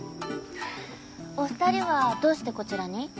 お二人はどうしてこちらに？